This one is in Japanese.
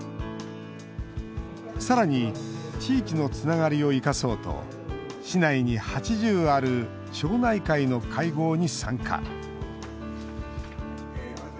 さらに地域のつながりを生かそうと市内に８０ある町内会の会合に参加。